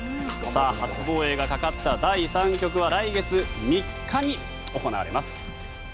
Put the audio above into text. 初防衛がかかった第３局は来月３日に行われます。